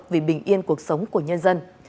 vì bình yên cuộc sống của nhân dân